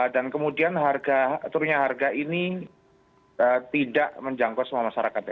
dan kemudian harga turunnya harga ini tidak menjangkau semua masyarakat